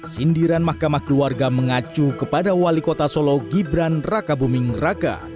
sindiran mahkamah keluarga mengacu kepada wali kota solo gibran raka buming raka